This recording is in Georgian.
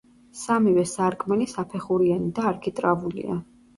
სამივე სარკმელი საფეხურიანი და არქიტრავულია.